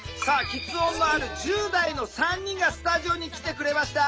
きつ音のある１０代の３人がスタジオに来てくれました。